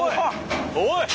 おい！